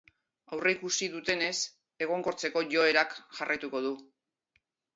Aurreikusi dutenez, egonkortzeko joerak jarraituko du.